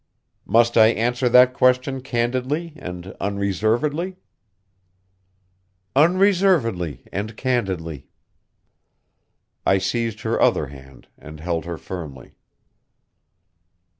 "Must I answer that question candidly and unreservedly?" "Unreservedly and candidly." I seized her other hand and held her firmly.